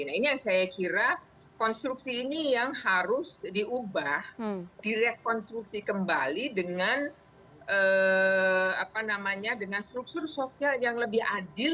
nah ini yang saya kira konstruksi ini yang harus diubah direkonstruksi kembali dengan struktur sosial yang lebih adil